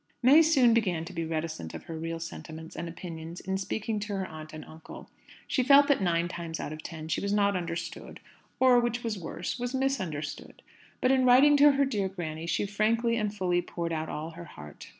May soon began to be reticent of her real sentiments and opinions in speaking to her aunt and uncle. She felt that nine times out of ten she was not understood; or, which was worse, was misunderstood. But in writing to her dear granny, she frankly and fully poured out all her heart.